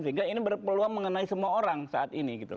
sehingga ini berpeluang mengenai semua orang saat ini gitu